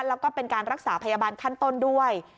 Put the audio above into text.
แล้วก็เป็นการรักษาพยาบาลขั้นต้นด้วย